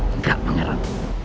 enggak pak herat